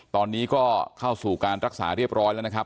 ตอนนี้ก็เข้าสู่การรักษาเรียบร้อยแล้วนะครับ